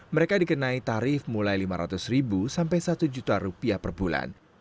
mereka dikenai tarif mulai rp lima ratus sampai rp satu juta per bulan